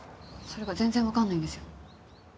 それが全然わからないんですよ。